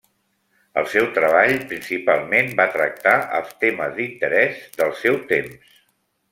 El seu treball principalment va tractar els temes d'interès del seu temps.